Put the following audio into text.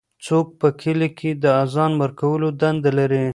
څوک په کلي کې د اذان ورکولو دنده لري؟